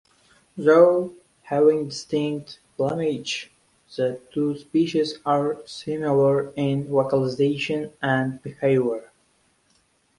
Though having distinct plumage, the two species are similar in vocalization and behavior.